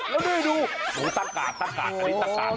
แล้วนี่ดูตักกาดตักกาดอันนี้ตักกาด